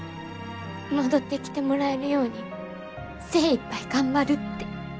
戻ってきてもらえるように精いっぱい頑張るって。